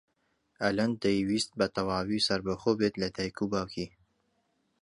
ئەلەند دەیویست بەتەواوی سەربەخۆ بێت لە دایک و باوکی.